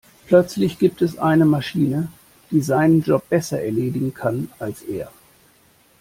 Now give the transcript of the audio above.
Plötzlich gibt es eine Maschine, die seinen Job besser erledigen kann als er.